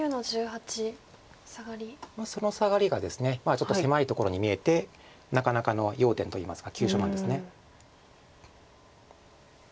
そのサガリがですねちょっと狭いところに見えてなかなかの要点といいますか急所なんです。